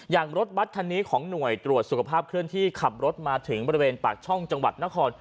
รถบัตรคันนี้ของหน่วยตรวจสุขภาพเคลื่อนที่ขับรถมาถึงบริเวณปากช่องจังหวัดนคร